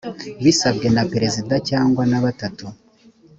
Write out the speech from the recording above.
bisabwe na perezida cyangwa na batatu